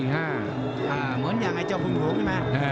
เหมือนอย่างไอ้เจ้าพึ่งหลวงใช่ไหม